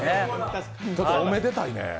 おめでたいねえ。